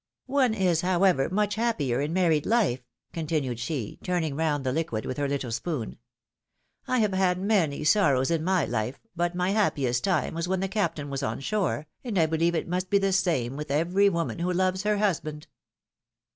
"One is, however, much happier in married life," con PHILOM|]NE's marriages. 171 tinned she, turning round the liquid with her little spoon ; have had many sorrows in my life, but my happiest time was when the Captain was on shore, and I believe it must be the same with every woman who loves her hus band.